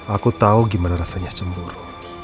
aku tahu gimana rasanya cemburu